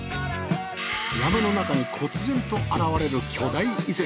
山の中にこつ然と現れる巨大遺跡。